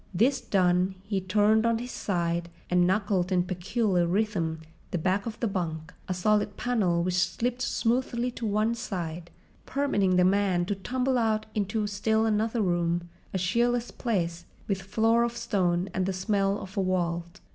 This done, he turned on his side and knuckled in peculiar rhythm the back of the bunk, a solid panel which slipped smoothly to one side, permitting the man to tumble out into still another room, a cheerless place, with floor of stone and the smell of a vault.